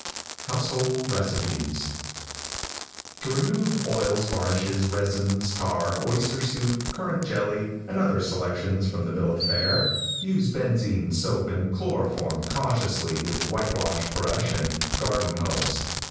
HOUSEHOLD RECIPES. |TO remove oils, varnishes, resins, tar, oyster soup, currant jelly, and other selections from the bill of fare, use benzine, soap and chloroform cautiously with whitewash brush and garden hose.